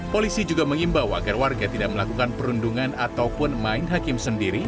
polisi juga mengimbau agar warga tidak melakukan perundungan ataupun main hakim sendiri